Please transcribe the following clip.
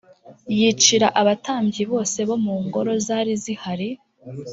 yicira abatambyi bose bo mu ngoro zari zihari